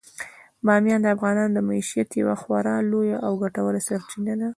بامیان د افغانانو د معیشت یوه خورا لویه او ګټوره سرچینه ده.